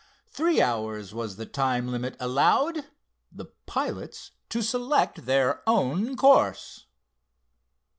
Three hours was the time limit allowed, the pilots to select their own course.